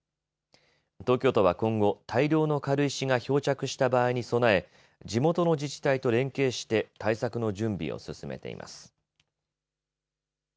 東京都は今後、大量の軽石が漂着した場合に備え地元の自治体と連携して対策の準備を進めています。